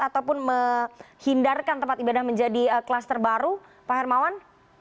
ataupun menghindarkan tempat ibadah menjadi kluster baru pak hermawan